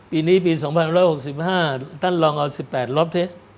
ปีนี้ปี๒๑๖๕ท่านลองเอา๑๘ลบสิ